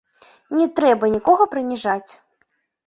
Не трэба нікога прыніжаць.